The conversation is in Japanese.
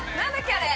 あれ。